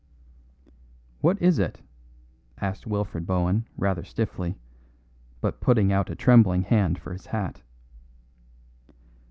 "What is it?" asked Wilfred Bohun rather stiffly, but putting out a trembling hand for his hat.